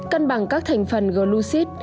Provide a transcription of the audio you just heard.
cân bằng các thành phần glucid